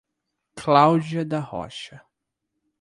Cláudia da Rocha